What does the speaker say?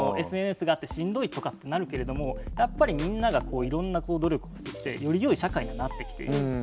ＳＮＳがあってしんどいとかってなるけれどもやっぱりみんながいろんな努力をしてきてよりよい社会になってきている。